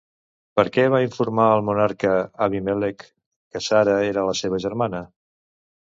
Per què va informar el monarca Abimèlec que Sara era la seva germana?